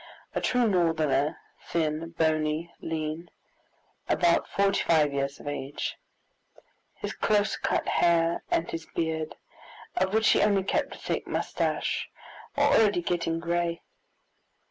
A true Northerner, thin, bony, lean, about forty five years of age; his close cut hair and his beard, of which he only kept a thick mustache, were already getting gray.